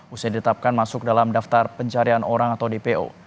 usia ditetapkan masuk dalam daftar pencarian orang atau dpo